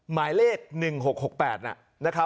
หมายเลข๑๖๖๘